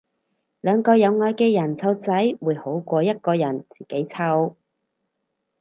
兩個有愛嘅人湊仔會好過一個人自己湊